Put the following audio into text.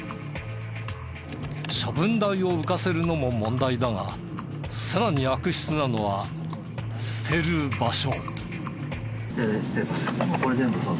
処分代を浮かせるのも問題だがさらに悪質なのは捨てる場所。